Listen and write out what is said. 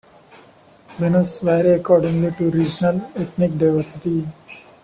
Menus vary according to regional ethnic diversity.